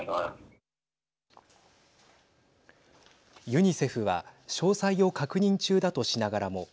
ユニセフは詳細を確認中だとしながらも